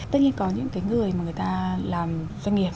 tất nhiên có những cái người mà người ta làm doanh nghiệp